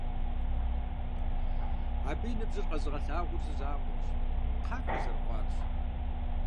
Абы и ныбжьыр къэзыгъэлъагъуэр зы закъуэщ: кхъахэ зэрыхъуарщ.